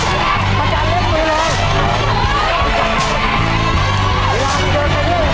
จำไว้ให้มากษัตริย์ได้นะครับเพราะว่า